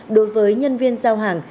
đối với nhân viên giao hàng